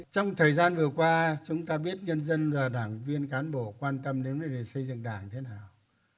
trong thời gian vừa qua chúng ta biết nhân dân và đảng viên cán bộ quan tâm đến vấn đề xây dựng đảng thế nào